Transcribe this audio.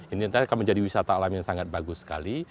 ini nanti akan menjadi wisata alam yang sangat bagus sekali